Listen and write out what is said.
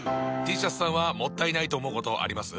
Ｔシャツさんはもったいないと思うことあります？